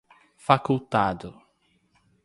facultado